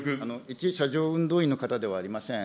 一車上運動員の方ではありません。